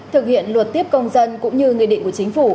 thực hiện luật tiếp công dân cũng như nghị định của chính phủ